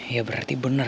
ya berarti bener